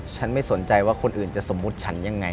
ฉันไม่สนใจว่าคนอื่นจะสมมุติฉันยังไง